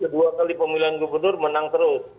kedua kali pemilihan gubernur menang terus